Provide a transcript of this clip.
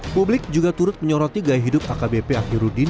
publik juga turut menyoroti gaya hidup akbp akhirudin